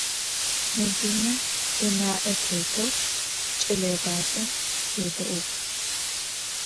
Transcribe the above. Medine ına'e têteu ç'eleêğacem yêde'uğ.